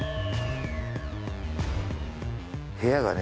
部屋がね